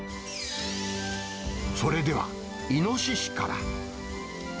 それでは、イノシシから。